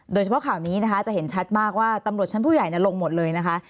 โดยเฉพาะข่าวนี้นะคะจะเห็นชัดมากว่าตำรวจชั้นผู้ใหญ่ลงหมดเลยนะคะ